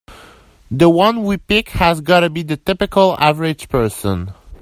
The one we pick has gotta be the typical average person.